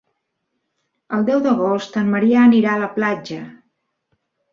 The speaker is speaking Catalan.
El deu d'agost en Maria anirà a la platja.